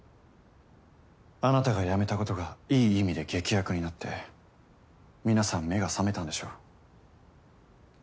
あなたが辞めたことがいい意味で劇薬になって皆さん目が覚めたんでしょう。